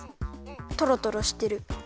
トロトロしてる。